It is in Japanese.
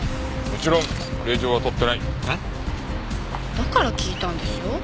だから聞いたんですよ。